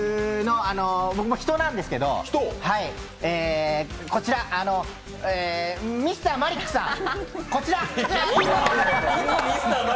僕も人なんですけれども、こちらＭｒ．マリックさん。